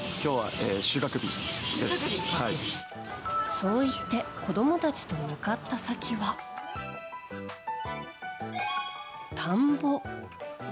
そう言って子供たちと向かった先は田んぼ。